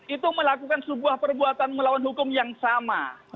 itu melakukan sebuah perbuatan melawan hukum yang sama